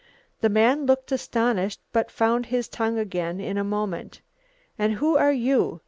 The man looked astonished but found his tongue again in a moment. "And who are you?"